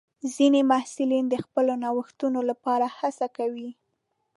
ځینې محصلین د خپلو نوښتونو لپاره هڅه کوي.